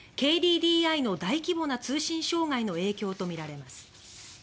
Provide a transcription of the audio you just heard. ＫＤＤＩの、大規模な通信障害の影響とみられます。